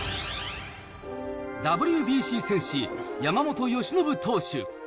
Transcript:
ＷＢＣ戦士、山本由伸投手。